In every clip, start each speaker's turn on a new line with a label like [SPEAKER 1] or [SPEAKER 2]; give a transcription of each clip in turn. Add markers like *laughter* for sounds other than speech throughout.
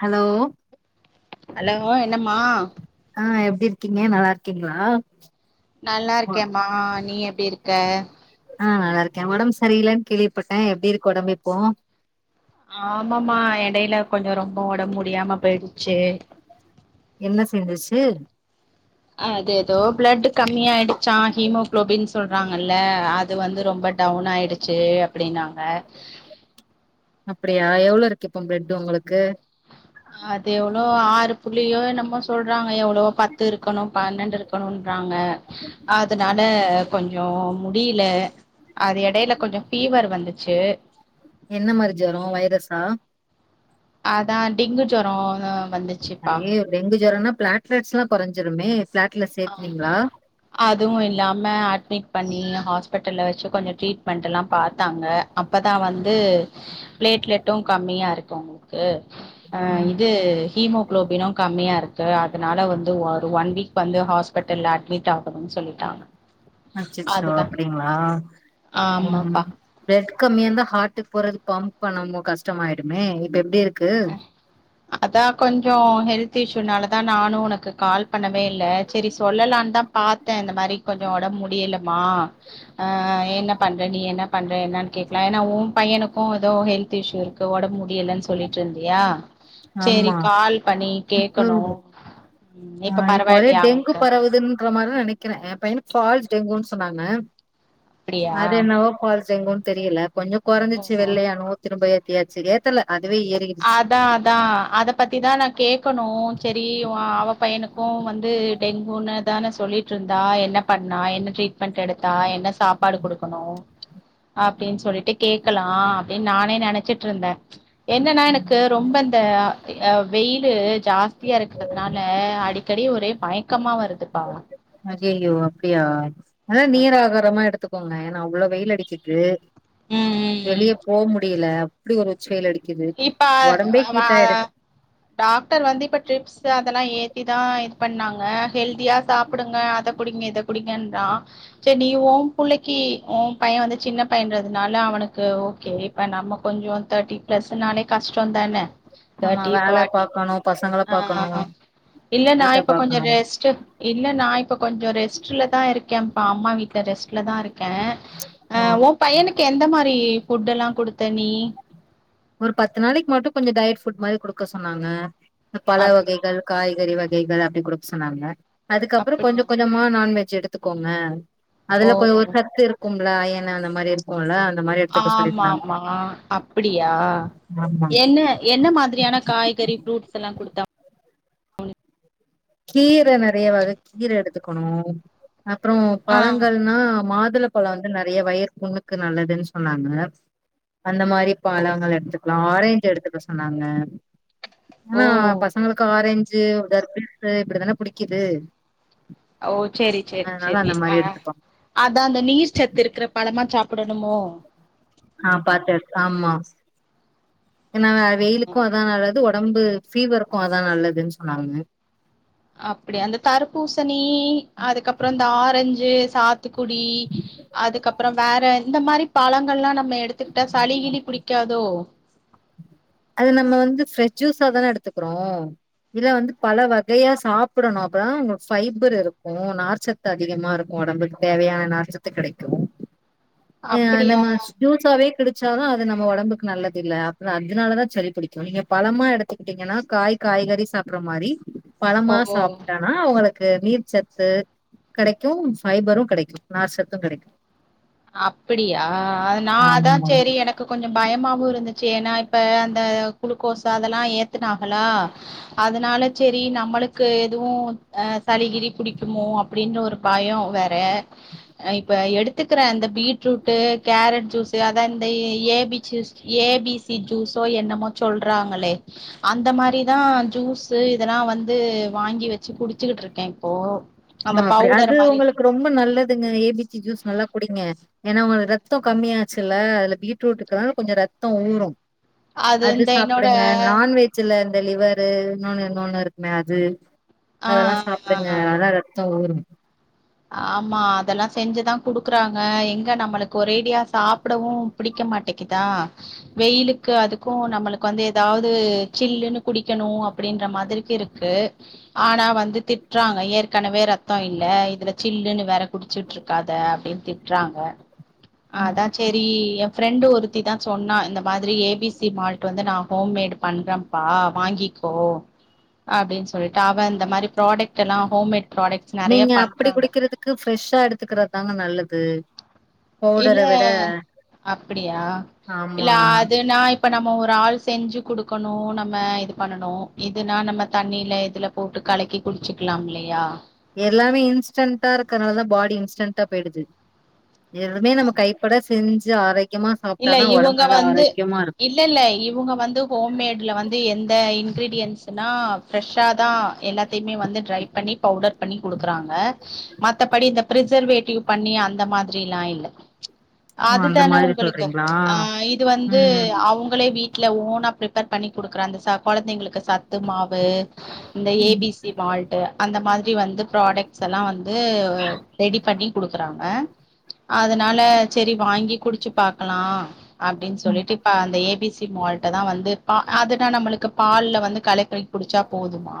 [SPEAKER 1] Hello
[SPEAKER 2] hello என்னம்மா
[SPEAKER 1] ஆ எப்டி இருக்கீங்க நல்லா இருக்கீங்களா
[SPEAKER 2] நல்லா இருக்கேமா நீ எப்டி இருக்க
[SPEAKER 1] ஆ நல்லா இருக்கே உடம்பு சரிலைன்னு கேள்விப்பட்டேன் எப்டி இருக்கு உடம்பு இப்போ
[SPEAKER 2] ஆமாமா எடையில கொஞ்சோ ரொம்ப ஒடம்பு முடியாம போயிருச்சு
[SPEAKER 1] என்ன செஞ்சுச்சு
[SPEAKER 2] அது எதோ பிளட் கம்மியா ஆயிடுச்சா ஹீமோகுளோபின் சொல்றாங்கல அது வந்து ரொம்ப டவுன் ஆயிடுச் சே அப்டின்னாங்க
[SPEAKER 1] அப்டியா எவ்ளோ இருக்கு இப்போ பிளெட் உங்களுக்கு
[SPEAKER 2] அது எவ்ளோ ஆறு புள்ளியோ என்னமோ சொல்றாங்க எவ்ளவோ பத்து இருக்கணும் பன்னெண்டு இருக் கனும்றாங்க அதனால கொஞ்சோ முடியில அது எடையில கொஞ்சோ ஃபீவர் வந்துச்சு
[SPEAKER 1] என்ன மாரி ஜொரோம் வைரசா
[SPEAKER 2] அதான் டெங்கு ஜொரோ வந்துச்
[SPEAKER 1] ஐயயோ டெங்கு ஜொரம்னா பிளாட்லஸ் எல்லாம் குறைஞ்சிருமே பிளாட்லஸ் ஏத்னீங்களா
[SPEAKER 2] அதுவும் இல்லாம அட்மிட் பண்ணி ஹாஸ்பிட்டல்ல வச்சு கொஞ்சோ ட்ரீட்மெண்டெல்லாம் பாத்தாங்க அப்பதான் வந்து பிளேட்லெட்டும் கம்மியா இருக்கு உங்குளுக்கு அ
[SPEAKER 1] ம்
[SPEAKER 2] இது ஹீமோ குளோபினும் கம்மியா இருக்கு அதனால வந்து ஒரு ஒன் வீக் வந்து ஹாஸ்பிட்டல்ல அட்மிட் ஆகணு சொல்லிட்டாங்க
[SPEAKER 1] அச்சச்சோ
[SPEAKER 2] அதுதா
[SPEAKER 1] அப்டிங்களா ம்
[SPEAKER 2] ஆமாப்பா
[SPEAKER 1] பிளெட் கம்மியா இருந்தா ஹார்ட்டுக்கு போறது பம்ப் பண்ணாம கஷ்டமாயிடுமே இப்ப எப்டி இருக்கு
[SPEAKER 2] அதா கொஞ்சோ ஹெல்த் இஷ்யூனால தான் நானும் உனக்கு கால் பண்ணவே இல்ல செரி சொல்லலான் தான் பாத்த இந்த மாரி கொஞ்சோ ஒடம்பு முடியலமா ஆ என்ன பண்ற நீ என்ன பண்ற என்னான் கேக்லா ஏன்னா ஓ பையனுக்கு ஏதோ ஹெல்த் இஷ்ஷு இரு க்கு ஒடம்பு முடியலன் சொல்லிட்ருந்தியா சேரி
[SPEAKER 1] ஆமா
[SPEAKER 2] கால் பண்ணி
[SPEAKER 1] இப்போ
[SPEAKER 2] கேட்கணும் இப்ப பரவாயில்லையா அவன்க்கு
[SPEAKER 1] க்குற மாரி தா நெனைக்கிறே எ பைன்னுக்கு ஃபால்ஸ் டெங்குன்னு சொன்னாங்க
[SPEAKER 2] அப்டியா
[SPEAKER 1] அது என்னவோ ஃபால்ஸ் டெங்குன் தெரியல கொஞ்சோ கொறஞ்சுச்சு
[SPEAKER 2] ஓ
[SPEAKER 1] வெள்ளையானு திரும்ப *unintelligible* ஏத்தல அதுவே ஏறிக்
[SPEAKER 2] அதா அதா அதப் பத்தி தா நா கேட்கணு செரி அவ பையனுக்கு வந்து டெங்குன்னு தான சொல்லிட் ருந்தா என்ன பண்ணா என்ன ட்ரீட்மெண்ட் எடுத்தா என்ன சாப்பாடு கொடுக்கணு அப்டின் சொல்லிட்டு கேக்கலா அப்டின் நானே நெனச்சிட்ருந்த என்னனா எனக்கு ரொம்ப ந்த வெயிலு ஜாஸ்தியா இருக்றதுனால அடிக்கடி ஒரே மயக்கமா வருதுப்பா
[SPEAKER 1] ஐயயோ அப்டியா நல்லா
[SPEAKER 2] ஆஹ்
[SPEAKER 1] நீர் ஆகாரமா எடுத்துக் கோங்க ஏனா அவ்ளோ வெயில் அடிக்கிது
[SPEAKER 2] ம், ம், ம்.
[SPEAKER 1] வெளிய போ முடியல அப்டி ஒரு உச் வெயில் அடிக்குது
[SPEAKER 2] இப்ப
[SPEAKER 1] ஒடம்பே
[SPEAKER 2] அ, அ,
[SPEAKER 1] கீட்டாயிடுது
[SPEAKER 2] டாக்டர் வந்து இப்ப ட்ரிப்ஸ் ஸ் அதெலா ஏத்திதா இது பண்ணாங்க ஹெல்தியா சாப்புடுங்க அத குடிங்க இத குடிங்கன்றா செரி நீ ஓ புள்ளக்கி ஓ பைய வந்து சின்னப் பையன்றதுனால அவனுக்கு ஓகே இப்ப நம்ம கொஞ்சோ தேர்ட்டி பிளஸ் நாளே கஷ்டோம் தான
[SPEAKER 1] ஆமா
[SPEAKER 2] தேர்ட்டி
[SPEAKER 1] வேல
[SPEAKER 2] பார்டி
[SPEAKER 1] பாக்கணு பசங்கள
[SPEAKER 2] ஆ
[SPEAKER 1] பாக்கணு
[SPEAKER 2] ம்மா இல்ல நா
[SPEAKER 1] வீட்ட
[SPEAKER 2] இப்ப கொஞ்சோ
[SPEAKER 1] பாக்கணு
[SPEAKER 2] ரெஸ்ட்டு இல்ல நா இப்ப கொஞ்சோ ரெஸ்ட்ல தா இருக்கேப்பா அம்மா வீட்ல ரெஸ்ட்ல தா இருக் க அ
[SPEAKER 1] ம்
[SPEAKER 2] ஓன் பையனுக்கு எந்த மாரி ஃபுட் எல்லாம் குடுத்த நீ
[SPEAKER 1] ஒரு பத்து நாளைக்கு மட்டும் கொஞ்சோ டயட் ஃபுட் மாரி குடுக்க சொன்னாங்க இந்த பழ
[SPEAKER 2] அப்டியா
[SPEAKER 1] வகைகள் காய்கறி வகைகள் அப்டி குடுக் சொன்னாங்க அதுக்கப்புறோ கொஞ்ச
[SPEAKER 2] அப்படியா
[SPEAKER 1] கொஞ்சமா நான்வெஜ் எடுத் த்துக்கோங்க
[SPEAKER 2] ஓ
[SPEAKER 1] அதுல கொஞ்
[SPEAKER 2] ஓ
[SPEAKER 1] ஒரு சத்து இருக்குமல்ல அயனு அந்த மாரி இருக்குல்ல அந்த மாரி எடுத்துக்க
[SPEAKER 2] ஆமாமா
[SPEAKER 1] சொல்லிருந்தாங்க
[SPEAKER 2] அப் அப்டியா
[SPEAKER 1] ஆமா
[SPEAKER 2] என்ன என்ன மாதிரியான காய்கறி ஃபுரூட்ஸ் எல்லா குடுத்தா
[SPEAKER 1] கீர நெறையா வக கீர எடுத்துக்கணு அப்றோ
[SPEAKER 2] ஆ
[SPEAKER 1] பழங்கள்னா மாதுள பழோ வந்து நெறையா வயிறு புண்ணுக்கு நல்லதுன்னு சொன்னாங்க அந்த மாரி பழங்கள் எடுத்து ஆரஞ்சு எடுத்துக்க சொன்னாங்க
[SPEAKER 2] ஓ
[SPEAKER 1] ஆனா பசங்களுக்கு ஆரஞ்சு தர் இப்பே இப்டிதானே புடிக்குது
[SPEAKER 2] ஓ சேரி சேரி
[SPEAKER 1] அதனால
[SPEAKER 2] சேரி
[SPEAKER 1] அந்த
[SPEAKER 2] அ
[SPEAKER 1] மாரி எடுத்துப்போ
[SPEAKER 2] அதா அந்த நீர்ச் சத்து இருக்கற பழமா சாப்டணுமோ
[SPEAKER 1] ஆ பாத்து ஆமா ஏனா வெயிலுக்கு அதா நல்லது ஒ டம்பு ஃபீவருக்கு அதா நல்லதுன் சொன்னாங்க
[SPEAKER 2] அப்டியா அந்த தர்ப்பூசணி அதுக்கப்றோ இந்த ஆரஞ்சு சாத்துக்குடி அதுக்கப்றோ வேற இந்த மாரி பழங்கல்லா நம்ம எடுத்துக்கிட்டா சளி கிளி புடிக்காதோ
[SPEAKER 1] அத நம்ம வந்து ஃப்ரெஜ் ஜூஸாதான எடுத்துக்குறோ இதுல வந்து பழ வகையா சாப்பிடணு அப்பதா உங்களுக்கு ஃபைபர் இருக்கு நார்ச் சத்து அதிகமா இருக்கு ஒடம்புக்கு தேவையான நார்ச்சத்து கெடைக்கு அ
[SPEAKER 2] அப்டியா
[SPEAKER 1] நம்ம ஜூஸாவே குடுச்சாலு அது நம்ம ஒடம்புக்கு நல்லது இல்ல அப்றோ அந் அதனாலதா சளிப் புடிக்கு நீங்க பழமா எடுத்துக்கிட்டீங்கன்னா காய் காய்கறி சாப்பற மாரி பழமா
[SPEAKER 2] ஓ
[SPEAKER 1] சாப்ட்டா னா உங்ளுக்கு நீர்ச்சத்து கெடைக்கு ஃபைபரு கெடைக்கு நார்சத்து கெடைக்கு
[SPEAKER 2] அப்டியா நா அதா
[SPEAKER 1] ஆமாமா
[SPEAKER 2] சேரி என க்கு கொஞ்சோ பயமாவு இருந்துச்சு ஏனா இப்ப அந்த குளுக்கோசு அதெல்லா ஏத்துனாஹளா அதனால சேரி நம்மளுக்கு எதுவு அ சளி கிளி புடிக்குமோ அப்டின்னு ஒரு பயோ வேற இப்ப எடுத்து க்ற இந்த பீட்ரூட்டு, கேரட் ஜூஸு அதா இந்த A B juice A B C ஜூஸோ என்னமோ சொல்றாங்களே அந்த மாரிதா ஜூஸு இதெல்லா வந்து வாங்கி வெச்சு குடிச்சுகிட்டு இருக்கே இப்போ
[SPEAKER 1] ஆ
[SPEAKER 2] அந்த
[SPEAKER 1] அப்டி அது
[SPEAKER 2] பவுடர் மாரி
[SPEAKER 1] உங்களுக்கு ரொம்ப நல்லதுங்க ஏ பி ச்சி ஜூஸ் நல்லா குடிங்க ஏனா உங்க ரத்தோ கம்மியாச்சுல்ல அதுல பீட்ரூட்ருக்காக கொஞ்சோ ரத்தோ ஊறூ அது
[SPEAKER 2] இந்த என்னோட
[SPEAKER 1] சாப்டுங்க நான்வெ ஜ்ஜுல இந்த லிவரு இன்னொன்னு இன்னொன்னு இருக்குமே அது
[SPEAKER 2] ஆ
[SPEAKER 1] அதெல்லா
[SPEAKER 2] ஆ
[SPEAKER 1] சாப்டுங்க
[SPEAKER 2] ஆ
[SPEAKER 1] ர த்தோ ஊரும்
[SPEAKER 2] ஆமா அதெல்லா செஞ்சுதான் குடுக்கறாங்க எங்க நம்மளுக்கு ஒரேடியா சாப்டவு பிடிக்க மாட்டீக்குதா வெயிலுக்கு அதுக்கு நம்மளுக்கு வந்து எதாவது சில்லுன்னு குடிக்கணு அப்டின்ற மாதிரிக்கு இரு க்கு ஆனா வந்து திட்றாங்க ஏற்கனவே ரத்தோ இல்ல இதுல சில்லுன்னு வேற குடிச்சிட்டு இருக்காத அப்டின்னு திட்றாங்க
[SPEAKER 1] ம்.
[SPEAKER 2] அதான் செரி ஃப்ரெண்டு ஒருத்திதான் சொன்னா இந்த மாதிரி ஏ பி சி மால்ட் வந்து நா ஹோம்மேடு பண்றன் பா வாங்கிக்கோ அப்டின்னு சொல்லிட்டு அவ இந்த மாதிரி ப்ராடக்ட் க்கலா ஹோமேடு ப்ராடக்ட்ஸ் நெறயி பண்
[SPEAKER 1] க்கு ஃப்ரெஷ்ஷா எடுத்துக்கறதுதாங்க நல்லது
[SPEAKER 2] இல்ல
[SPEAKER 1] பவுடர விட
[SPEAKER 2] அப்டியா இல்ல
[SPEAKER 1] ஆமா.
[SPEAKER 2] அது நா இப்ப நம்ம ஒரு ஆள் செஞ்சு குடுக்கணு நம்ம இது பண்ணணு இதுனா நம்ம தண்ணில இதுல போட்டு கலக்கி குடிச்சுக்கலாமில்லயா
[SPEAKER 1] எல்லாமே இன்ஸ்டன்டா இருக்கனாலதா பாடி இன்ஸ்டன்டா போயிடுது எதுமே நம்ம கைப்பட செஞ்சு ஆரோக்கியமா சாப்ட்டாதா ஒடம்பு நல்லா ஆரோக்கியமா இருக்
[SPEAKER 2] இல்லல்ல இவுங்க வந்து ஹோம்மேட்ல வந்து எந்த இன்கிரீடியன்ஸ்னா ஃப்ரெஷ்ஷா தா எல்லாத் தையுமே வந்து ட்ரை பண்ணி பவுடர் பண்ணி குடுக்றாங்க மத்தபடி இந்த பிரசர்வேட்டிவ் பண்ணி அந்த மாதிரிலா இல்ல
[SPEAKER 1] ஓ அந்த
[SPEAKER 2] அதுதானே
[SPEAKER 1] மாதிரி
[SPEAKER 2] உங்களுக்கு
[SPEAKER 1] சொல்றீங்க
[SPEAKER 2] ஆ இது வந்து அ அவுங்களே வீட்ல ஓனா ப்ரிப்பேர் பண்ணி குடுக்கற அந்த ச குழந்தைங்களுக்கு சத்து மாவு இந்த ஏ பி சி மால்ட்டு அந்த மாதிரி வந்து ப்ராடக்ட்ஸ் எல்லா வந்து ரெடி பண்ணி குடுக்குறாங்க அதனால சரி வாங்கி குடிச்சு பாக்கலா அப்டின்னு சொல்லிட்டு இப்ப அந்த ஏபிசி மால்ட்ட தா வந்து பா அதுனா நம்மளுக்கு பால்ல வந்து கலைக்கி குடிச்சா போதுமா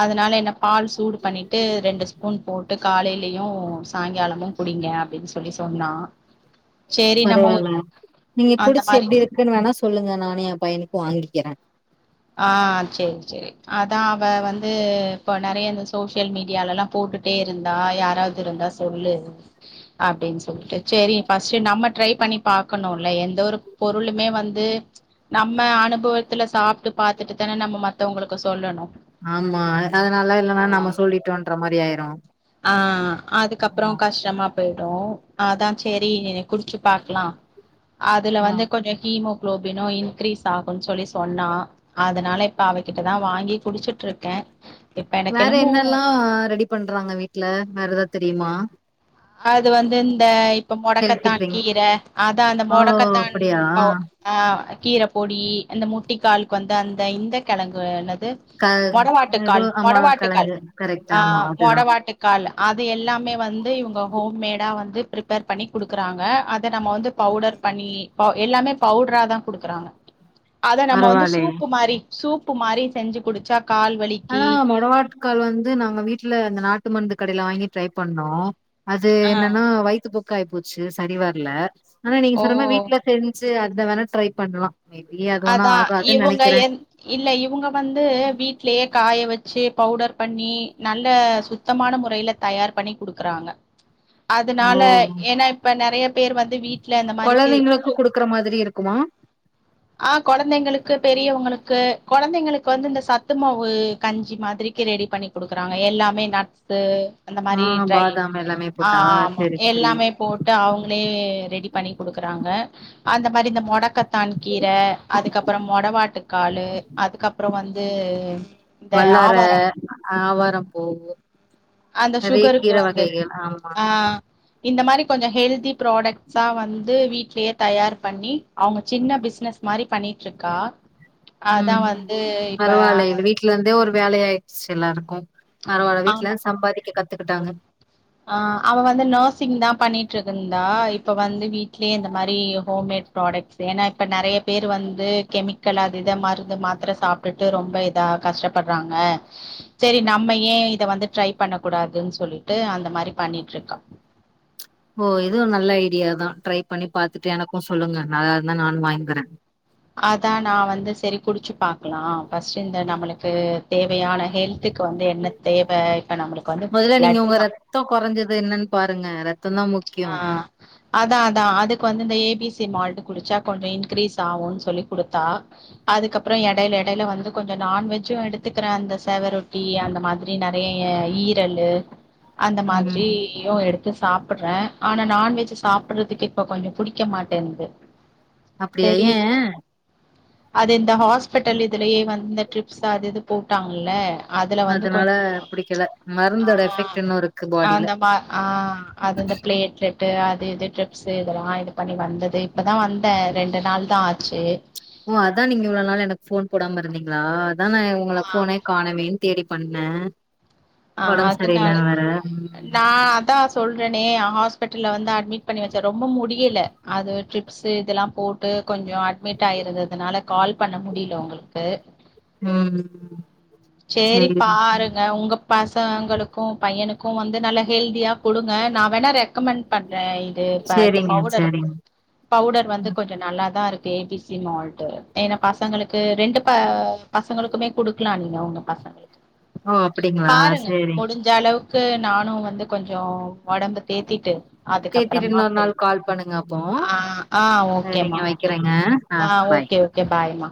[SPEAKER 2] அதனால என்ன பால் சூடு பண்ணிட்டு ரெண்டு ஸ்பூன் போ ட்டு காலையிலயு சாயங்காலமு குடிங்க அப்டின்னு சொல்லி சொன்னா சேரி நம்ம ஒரு
[SPEAKER 1] பரவால நீங்க
[SPEAKER 2] அந்த
[SPEAKER 1] குடிச்சு
[SPEAKER 2] மாரி
[SPEAKER 1] எப்டி இருக்குன்னு வேணா சொல்லுங்க நானு எ பையனுக்கு வாங்கிக்கிற
[SPEAKER 2] ஆ சேரி சேரி அதா அவ வந்து இப்போ நெறலய இந்த சோசியல் மீடியாலல்லா போட்டுட்டே இருந்தா யாராவது இருந்தா சொ சொல்லு அப்டின்னு சொல்லிட்டு சேரி ஃபர்ஸ்ட்டு நம்ம ட்ரை பண்ணி பாக்கணுல்ல எந்த ஒரு பொருளுமே வந்து நம்ம அனுபவத்துல சாப்ட்டு பாத்துட்டு தான நம்ம மத்தவுங்களுக்கு சொல்லணு
[SPEAKER 1] ஆமா அதனால இல்லன்னா
[SPEAKER 2] ஆ
[SPEAKER 1] நம்ம சொல்லிட்டோன்ற மாரி ஆயிரு
[SPEAKER 2] ஆ அதுக்கப்பறோ
[SPEAKER 1] ஆ
[SPEAKER 2] கஷ்டமா போயிடு அதா சேரி குடிச்சு பாக்கலா அதுல
[SPEAKER 1] ஆ
[SPEAKER 2] வந்து கொஞ்சோ ஹீமோ குளோபினு இன்கிரீஸ் ஆகுனு சொல்லி சொன்னா அதனால இப்ப அவகிட்டதா வாங்கி குடிச்சுட்டுருக்கே
[SPEAKER 1] வேற என்னல்லா ரெடி பண்றாங்க வீட்ல வேற எதாவது தெரியுமா
[SPEAKER 2] அது வந்து இந்த இப்ப
[SPEAKER 1] ஹெல்தி
[SPEAKER 2] மொடக்கத்தான்
[SPEAKER 1] ட்ரிங்க்ஸ்
[SPEAKER 2] கீர அதா அந்த
[SPEAKER 1] ஓ
[SPEAKER 2] மொடக்கத்தான்
[SPEAKER 1] அப்டியா
[SPEAKER 2] பவு அ கீர பொடி அந்த முட்டிக்காலுக்கு வந்து அந்த இந்த கிழங்கு என்னது
[SPEAKER 1] க எதோ
[SPEAKER 2] மொடவாட்டுக்கால்
[SPEAKER 1] ஆமா
[SPEAKER 2] மொடவாட்டுக்கால்
[SPEAKER 1] கெழங்கு கரெக்ட்
[SPEAKER 2] ஆ
[SPEAKER 1] ஆமா அதுதா
[SPEAKER 2] மொடவாட்டுக் கால் அது எல்லாமே வந்து இவுங் க ஹோம் மேடா வந்து ப்ரிப்பேர் பண்ணி குடுக்கறாங்க அத நம்ம வந்து பவுடர் பண்ணி ப எல்லாமே பவுடரா தா குடுக்கறாங்க
[SPEAKER 1] உம்
[SPEAKER 2] அத நம்ம வந்து சூப்பு மாரி சூப்பு மாரி செஞ்சு குடிச்சா கால்வலி
[SPEAKER 1] ஆனா மொடவாட்டுக்கால் வந்து நாங்க வீட்ல இந்த நாட்டு மருந்து கடையிலா வாங்கி ட்ரை பண்ணோ அது
[SPEAKER 2] ஆ
[SPEAKER 1] என்னன்னா வயித்துபோக்கு ஆயிபோச்சு சரி வரல ஆனா நீங்க சொன்ன மாரி
[SPEAKER 2] ஓ
[SPEAKER 1] வீட்ல செஞ் சு அத வேணா ட்ரை பண்லா மேபி அது ஒண்ணு
[SPEAKER 2] அதா
[SPEAKER 1] ஆகாதுன்னு
[SPEAKER 2] இவுங்க
[SPEAKER 1] நெனைக்கிற
[SPEAKER 2] என் இல்ல இவுங்க வந்து வீட்லியே காய வச்சு பவுடர் பண்ணி நல்ல சு சுத்தமான முறையில தயார் பண்ணி குடுக்குறாங்க
[SPEAKER 1] ஓ
[SPEAKER 2] அதனால ஏன்னா இப்ப நெறைய பேர் வந்து வீட்
[SPEAKER 1] கொழந்தைங்களுக்கு குடுக்குற மாதிரி இருக்குமா
[SPEAKER 2] ஆ கொழந்தைங்களுக்கு பெரியவங்களுக்கு கொழந்தைங்களுக்கு வந்து இந்த சத்துமாவு கஞ்சி மாதிரிக்கு ரெடி பண்ணி குடுக்குறாங்க எல்லாமே நட்ஸு அந்த
[SPEAKER 1] ஆ
[SPEAKER 2] மாரி ட்ரய்
[SPEAKER 1] பாதாம் எல்லாமே
[SPEAKER 2] ஆ
[SPEAKER 1] போட்டா
[SPEAKER 2] ஆ ஆமா
[SPEAKER 1] செரி செரி
[SPEAKER 2] எல்லாமே போட் டு அவங்களே ரெடி பண்ணி குடுக்குறாங்க அந்த மாரி இந்த மொடக்கத்தான் கீர அதுக்கப்பற மொடவாட்டுக்காலு அதுக்கப்றோ வந்து இந்த ஆவாரா
[SPEAKER 1] ஆவாரம்பூவு
[SPEAKER 2] அந்த சுகருக்கு வந்து
[SPEAKER 1] ஆமா
[SPEAKER 2] அ இந்த மாரி கொஞ்சோ ஹெல்தி ப்ராடக்ட்ஸா வந்து வீட்லயே தயார் பண்ணி அவங்க சின்ன பிசினஸ் மாரி பண்ணிட்டு இருக்கா அதா வந்து இப்ப
[SPEAKER 1] இது வந்தே ஒரு வேலயாயிடுச்சு எல்லாருக்கு பரவால்ல வீட்ல
[SPEAKER 2] ஆமா
[SPEAKER 1] இருந்து சம்பாதிக்க கத்துக்கிட்டாங்க
[SPEAKER 2] ஆ அவ வந்து நர்சிங் தா பண்ணிட்ருக்குந்தா இப்ப வந்து வீட்லயே இந்த மாரி ஹோம்மேட் ப்ராடக்ட்ஸ் ஏனா இப்ப நெறய பேர் வந்து கெமிக்கல் அது இத மருந்து மாத்திர சாப் ட்டுட்டு ரொம்ப இதா கஷ்டப்படுறாங்க சரி நம்ம ஏ இத வந்து ட்ரை பண்ண கூடாதுன் சொல்லிட்டு அந்த மாரி பண்ணிட்ருக்கா
[SPEAKER 1] ஓ இது நல்ல ஐடியாதா ட்ரை பண்ணி பாத்துட்டு எனக்கு சொல்லுங்க நல்லாருந்தா நானு வாய்ன்ங்குற
[SPEAKER 2] அதா நா வந்து சரி குடிச்சு பாக்கலா ஃபர்ஸ்ட்டு இந்த நம்மளுக்கு தேவையான ஹெல்த்துக்கு வந்து என்ன தேவ இப்ப நம்மளுக்
[SPEAKER 1] மொதல்ல நீங்க உங்க ரத்தோ குறைஞ்சது என்னன் பாருங்க ரத்தம் தான் முக்
[SPEAKER 2] ஆ அதா அதா அதுக்கு வந்து இந்த ஏபிசி மால்ட் குடிச்சா கொஞ்சோ இன்க்ரீஸ் ஆவுன் சொல்லி குடுத்தா அதுக்கப்றோ எடைய்ல எடைய்ல வந்து கொஞ்சோ நான்வெஜ்ஜு எடுத்துக்குற அந்த செவரொட்டி அந்த மாதிரி இ நெறைய்ய ஈரலு அந்த
[SPEAKER 1] ம்
[SPEAKER 2] மாத்ரியு எடுத்து சாப் ப்புற ஆனா நான்வெஜ் சாப்புறதுக்கு இப்ப கொஞ்சோ புடிக்க மாட்டன்து
[SPEAKER 1] அப்டியா ஏ
[SPEAKER 2] அது இந்த ஹாஸ்பிட்டல் இதுலயே வந்து ட்ரிப்ஸ் அது இது போட்டாங்கல்ல அதுல வந்து
[SPEAKER 1] அதனால
[SPEAKER 2] கொஞ்சோ
[SPEAKER 1] புடிக்கல
[SPEAKER 2] ஆ
[SPEAKER 1] மருந்தோட எஃபெக்ட் இன்னு இருக்கு பாடில
[SPEAKER 2] அந்தமா ஆ அந்தந்த ப்லே பிளேட்லெட்டு அது இது ட்ரிப்ஸு இதெல்லா இது பண்ணி வந்தது இப்பதா வந்தே ரெண்டு நாள் தா ஆச்சு
[SPEAKER 1] ஓ அதா நீங்க இவ்வளவு நாள் எனக் ஃபோன் போடாம இருந்தீங்களா அதா நாயங்
[SPEAKER 2] ஆ
[SPEAKER 1] உங்கள ஃபோனே காணவேன் தேடி பண்ணே
[SPEAKER 2] ஆ
[SPEAKER 1] ஒடம்பு
[SPEAKER 2] அதனால
[SPEAKER 1] சரில்ல வேர
[SPEAKER 2] நா அதா சொல்றனே ஹாஸ்பிட்டல்ல வந்து அட்மிட் பண்ணி வச்ச ரொம்ப முடியல அது ட்ரிப்ஸு இதெல்லா போட்டு கொஞ்சோ அட்மிட் ஆயிருந்ததுனால கால் பண்ண முடில உங்க க்கு
[SPEAKER 1] ம்
[SPEAKER 2] செரி
[SPEAKER 1] சேரி
[SPEAKER 2] பாருங் ஆ உங்க பசங்களுக்கு பையனுக்கு வந்து நல்ல ஹெல்தியா குடுங்க நா வேணா ரெக்கமெண்ட் பண்ற ஐ இது பேண்ட்
[SPEAKER 1] சேரிங்க
[SPEAKER 2] பவுடரு
[SPEAKER 1] சேரிங்க
[SPEAKER 2] பவுடர் வந்து கொஞ்சோ நல்லாதாருக்கு ஏபிசி மால்ட் ஏன்னா பசங்களுக்கு ரெண்டு ப பசங்களுக்குமே குடுக்லா நீங்க உங்க பசங்களுக்கு
[SPEAKER 1] ஓ அப்டிங்களா
[SPEAKER 2] பாருங்க
[SPEAKER 1] சேரிங்க
[SPEAKER 2] முடிஞ்சளவு க்கு நானு வந்து கொஞ்சோ ஒடம்ப தேத்திட்டு
[SPEAKER 1] சேரி திரும்பி
[SPEAKER 2] அதுக்கப்பறமா
[SPEAKER 1] இன்னொரு
[SPEAKER 2] சரி
[SPEAKER 1] நாள் கால் பண்ணுங்க அப்போ
[SPEAKER 2] ஆ ஆ ஓகே மா
[SPEAKER 1] சேரிங்க
[SPEAKER 2] ஓகே
[SPEAKER 1] வைக்கிறேங்க
[SPEAKER 2] ஆ
[SPEAKER 1] பாய்
[SPEAKER 2] ஓகே ஓகே கே பாய்மா